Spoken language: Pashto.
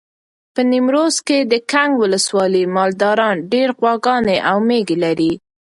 په نیمروز کې د کنگ ولسوالۍ مالداران ډېر غواګانې او مېږې لري.